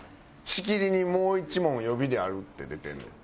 しきりに「もう１問予備である」って出てんねん。